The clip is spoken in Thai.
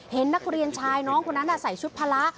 เห็นนักเรียนชายน้องคนนั้นใส่ชุดพละ